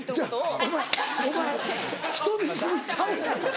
お前お前人見知りちゃうやろ。